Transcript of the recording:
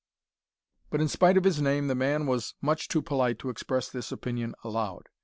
But in spite of his name the man was much too polite to express this opinion aloud.